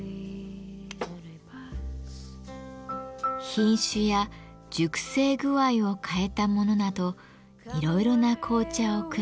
品種や熟成具合を変えたものなどいろいろな紅茶を比べて飲みます。